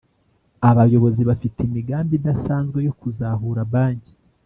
Abayobozi bafite imigambi idasanzwe yo kuzahura banki